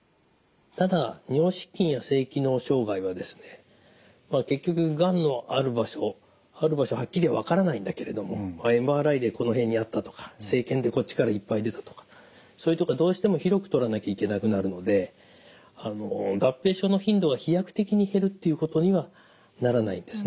ただ尿失禁や性機能障害はですね結局がんのある場所ある場所はっきり分からないんだけれどもＭＲＩでこの辺にあったとか生検でこっちからいっぱい出たとかそういう所はどうしても広く取らなきゃいけなくなるので合併症の頻度は飛躍的に減るっていうことにはならないんですね。